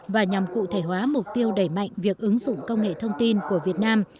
và nhằm cụ thể hóa mục tiêu đẩy mạnh việc ứng dụng công nghệ thông tin của việt nam